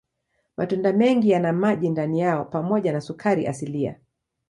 Matunda mengi yana maji ndani yao pamoja na sukari asilia.